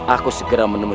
aku segera menemu